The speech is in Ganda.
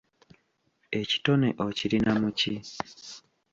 Ekitone okirina mu ki?